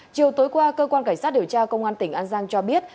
chiều tối qua cơ quan cảnh sát điều tra công an tỉnh an giang cho biết